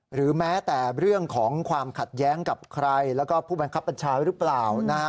หรือแม้แต่เรื่องของความขัดแย้งกับใครแล้วก็ผู้บังคับบัญชาหรือเปล่า